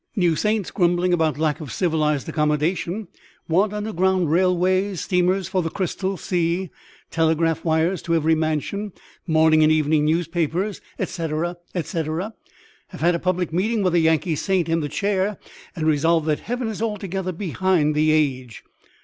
"New saints grumbling about lack of civilised accommodation: want underground railways, steamers for the crystal sea, telegraph wires to every mansion, morning and evening newspapers, etc., etc,; have had a public meeting with a Yankee saint in the chair, and resolved that heaven is altogether behind the age."